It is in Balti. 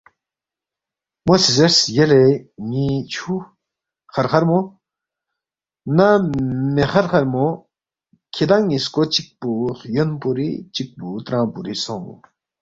مو سی زیرس یلے ن٘ی چھُو خرخرمو نہ مے خرخرمو، کِھدانگ نِ٘یسکو چِک پو خیون پوری چِک پو ترانگ پوری سونگ